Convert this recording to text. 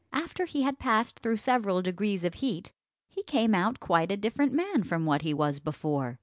After he had passed through several degrees of heat, he came out quite a different man from what he was before.